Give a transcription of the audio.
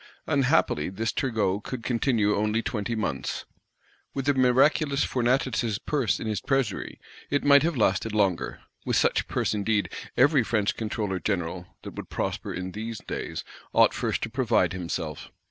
Unhappily this Turgot could continue only twenty months. With a miraculous Fortunatus' Purse in his Treasury, it might have lasted longer; with such Purse indeed, every French Controller General, that would prosper in these days, ought first to provide himself.